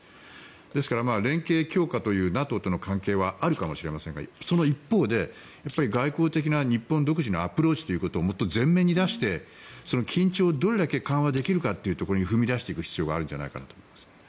ですから、連携強化というＮＡＴＯとの関係はあるかもしれませんがその一方で外交的な日本独自のアプローチということをもっと前面に出して緊張をどれだけ緩和できるかということに踏み出していく必要があるんじゃないかなと思います。